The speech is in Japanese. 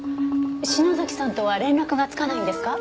篠崎さんとは連絡がつかないんですか？